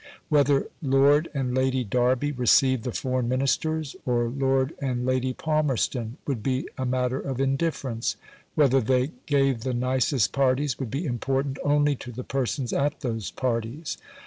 Whether Lord and Lady Derby received the foreign ministers, or Lord and Lady Palmerston, would be a matter of indifference; whether they gave the nicest parties would be important only to the persons at those parties.